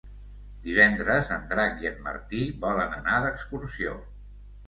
Divendres en Drac i en Martí volen anar d'excursió.